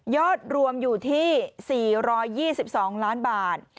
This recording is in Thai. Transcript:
อดรวมอยู่ที่๔๒๒ล้านบาท